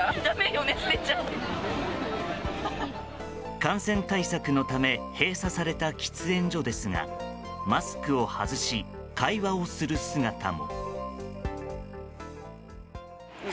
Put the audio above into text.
感染対策のため閉鎖された喫煙所ですがマスクを外し、会話をする姿も。